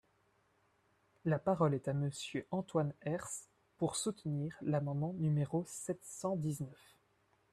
La parole est à Monsieur Antoine Herth, pour soutenir l’amendement numéro sept cent dix-neuf.